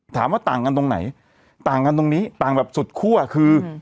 ถามว่าต่างกันตรงไหนต่างกันตรงนี้ต่างแบบสุดคั่วคือ